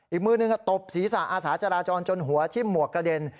อีกมือหนึ่งก็ตบศีรษะอาสาจราจรจนหัวทิ่มหมวกกระเด็น